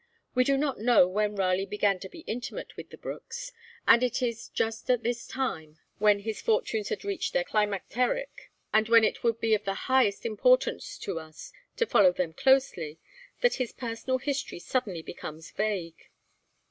We do not know when Raleigh began to be intimate with the Brookes, and it is just at this time, when his fortunes had reached their climacteric, and when it would be of the highest importance to us to follow them closely, that his personal history suddenly becomes vague.